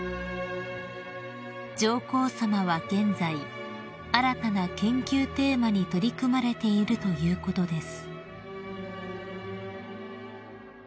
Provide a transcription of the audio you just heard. ［上皇さまは現在新たな研究テーマに取り組まれているということです］